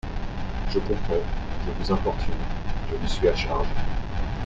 Je comprends… je vous importune… je vous suis à charge…